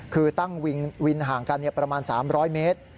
คือตั้งวินห่างกันประมาณ๓๐๐เมตร